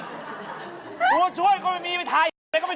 ตัวช่วยก็ไม่มีไทย